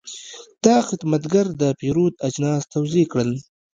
دا خدمتګر د پیرود اجناس توضیح کړل.